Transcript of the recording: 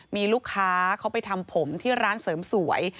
มีลูกค้าเขาไปทำผมที่ร้านเสริมสวย